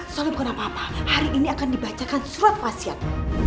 soalnya bukan apa apa hari ini akan dibacakan surat wasiat